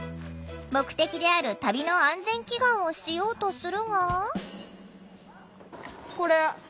目的である旅の安全祈願をしようとするが。